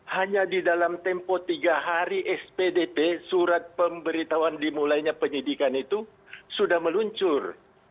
hanya di dalam tempo tiga hari spdp surat pemberitahuan dimulainya penyidikan itu sudah meluncur